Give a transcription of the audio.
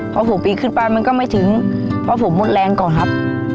พอ๖ปีขึ้นไปมันก็ไม่ถึงเพราะผมหมดแรงก่อนครับ